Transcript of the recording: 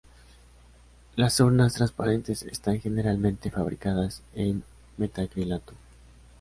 Las urnas transparentes están generalmente fabricadas en metacrilato.